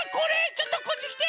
ちょっとこっちきて！